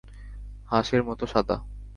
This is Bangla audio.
হাঁসের মতো সাদা।